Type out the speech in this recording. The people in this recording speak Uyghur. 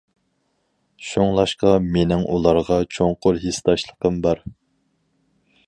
شۇڭلاشقا مېنىڭ ئۇلارغا چوڭقۇر ھېسداشلىقىم بار.